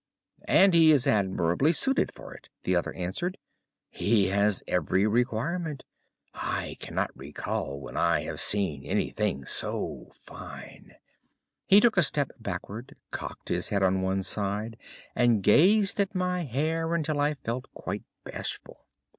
"'And he is admirably suited for it,' the other answered. 'He has every requirement. I cannot recall when I have seen anything so fine.' He took a step backward, cocked his head on one side, and gazed at my hair until I felt quite bashful.